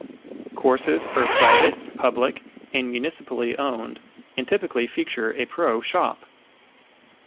Courses are private, public, and municipally owned, and typically feature a pro shop.